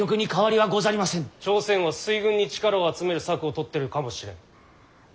朝鮮は水軍に力を集める策を取ってるかもしれん。